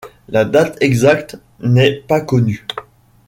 La date exacte n’est pas connue.